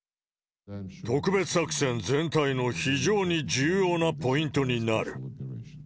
特別作戦全体の非常に重要なポイントになる。